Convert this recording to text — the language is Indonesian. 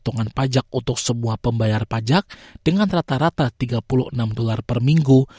potongan pajak untuk sebuah pembayar pajak dengan rata rata tiga puluh enam dolar per minggu